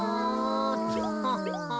あ。